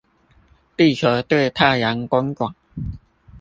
地球對太陽公轉